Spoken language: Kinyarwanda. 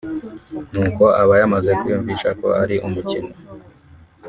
n’uko abayamaze kwiyumvisha ko ari umukino